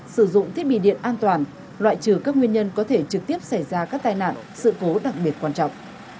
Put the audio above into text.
sử dụng thiết bị điện an toàn loại trừ các nguyên nhân có thể trực tiếp xảy ra các tai nạn sự cố đặc biệt quan trọng